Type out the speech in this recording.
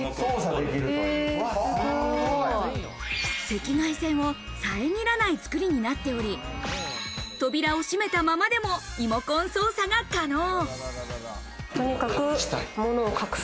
赤外線を遮らない作りになっており、扉を閉めたままでもリモコン操作が可能。